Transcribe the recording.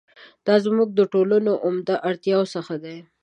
دا زموږ د ټولنو عمده اړتیاوو څخه دي.